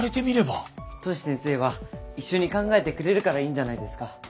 トシ先生は一緒に考えてくれるからいいんじゃないですか？